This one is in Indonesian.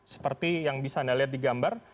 seperti yang bisa anda lihat di gambar